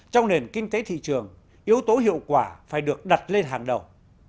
trong nền kinh tế thị trường yếu tố hiệu quả phải được đặt lên hàng đầu